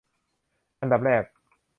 อันดับแรก